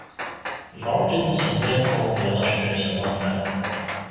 The origins of Leopold the Illustrious are not known.